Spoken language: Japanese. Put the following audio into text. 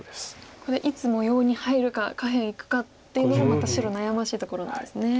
ここでいつ模様に入るか下辺いくかっていうのがまた白悩ましいところなんですね。